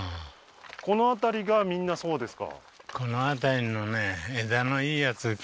この辺りがみんなそうですか？